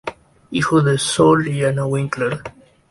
Hijo de Sol y Anna Winkler.